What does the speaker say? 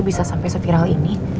bisa sampai se viral ini